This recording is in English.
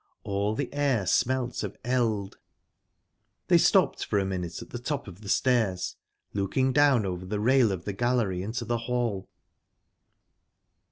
All the air smelt of eld. They stopped for a minute at the top of the stairs, looking down over the rail of the gallery into the hall.